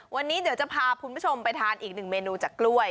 วันนี้เดี๋ยวจะพาคุณผู้ชมไปทานอีกหนึ่งเมนูจากกล้วย